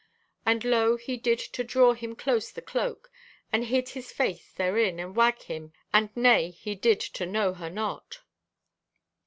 And lo, he did to draw him close the cloak, and hid his face therein, and wag him 'Nay,' he did to know her not.